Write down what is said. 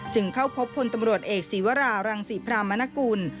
เข้าพบพลตำรวจเอกศีวรารังศรีพรามนกุล